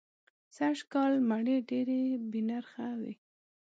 سږ کال مڼې دېرې بې نرخه وې.